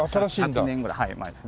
１００年ぐらい前ですね。